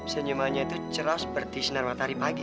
senyumannya itu cerah seperti sinar matahari pagi